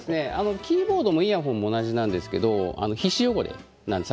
キーボードもイヤホンも同じなんですが皮脂汚れなんです。